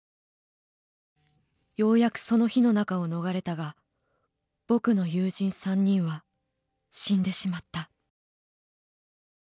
ようやく、その火の中を逃れたが僕の友人３人は死んでしまった。